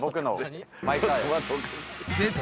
出た。